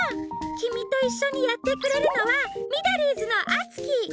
きみといっしょにやってくれるのはミドリーズのあつき！